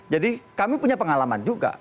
jadi kami punya pengalaman juga